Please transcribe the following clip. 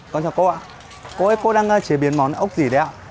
con chào cô ạ cô ơi cô đang chế biến món ốc gì đấy ạ